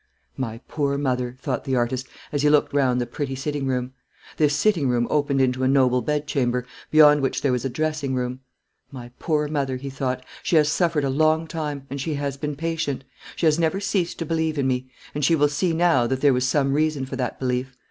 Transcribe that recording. "My poor mother!" thought the artist, as he looked round the pretty sitting room. This sitting room opened into a noble bedchamber, beyond which there was a dressing room. "My poor mother!" he thought; "she has suffered a long time, and she has been patient. She has never ceased to believe in me; and she will see now that there was some reason for that belief.